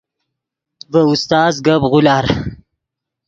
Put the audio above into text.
ڤے استاز گپ غولار